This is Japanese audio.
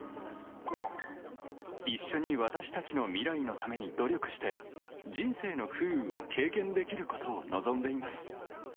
一緒に私たちの未来のために努力して、人生の風雨を経験できることを望んでいます。